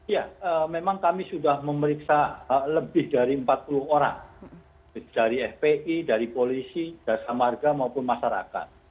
ya memang kami sudah memeriksa lebih dari empat puluh orang dari fpi dari polisi jasa marga maupun masyarakat